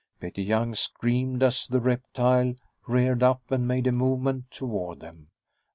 Betty Young screamed as the reptile reared up and made a movement toward them.